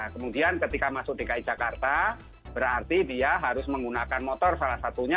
kemudian ketika masuk dki jakarta berarti dia harus menggunakan motor salah satunya